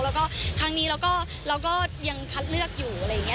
แล้วก็ครั้งนี้เราก็ยังคัดเลือกอยู่อะไรอย่างนี้